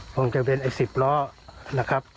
ต้องจะเป็นไอ้สิบล้อนะครับ